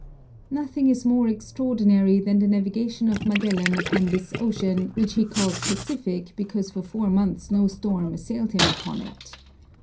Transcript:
Nothing is more extraordinary than the navigation of Magellan upon this ocean, which he called Pacific, because for four months no storm assailed him upon it.